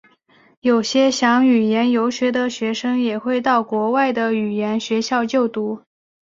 有些想语言游学的学生也会到国外的语言学校就读。